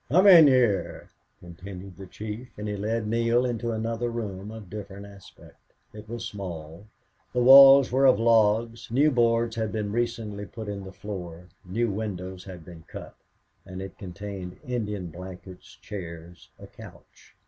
"Come in here," continued the chief, and he led Neale into another room, of different aspect. It was small; the walls were of logs; new boards had been recently put in the floor; new windows had been cut; and it contained Indian blankets, chairs, a couch.